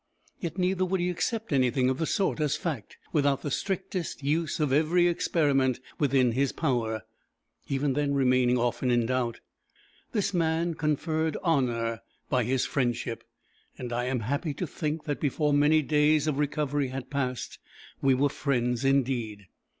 Yet neither would he accept anything of the sort as fact, without the strictest use of every experiment within his power, even then remaining often in doubt. This man conferred honour by his friendship; and I am happy to think that before many days of recovery had passed, we were friends indeed.